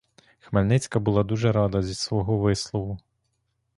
Хмельницька була дуже рада зі свого вислову.